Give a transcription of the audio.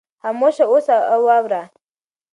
خاموشه اوسه او واوره.